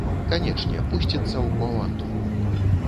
Канечне, пусціцца ў авантуру.